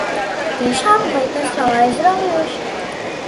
Tiešām? Vai tas nav aizraujoši?